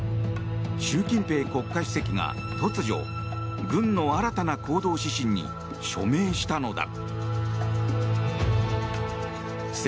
習近平国家主席が突如、軍の新たな行動指針に署名したのだ。